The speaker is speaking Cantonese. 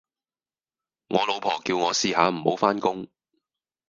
我老婆叫我試下唔好返工